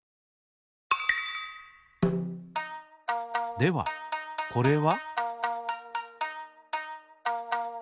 ではこれは？